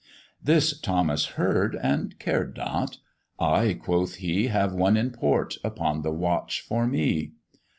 This Thomas heard, and cared not: "I," quoth he, "Have one in port upon the watch for me."